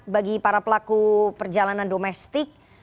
bagi para pelaku perjalanan domestik